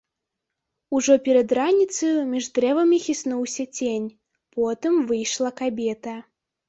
Ужо перад раніцаю між дрэвамі хіснуўся цень, потым выйшла кабета.